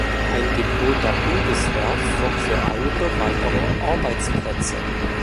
Ein Depot der Bundeswehr sorgt für einige weitere Arbeitsplätze.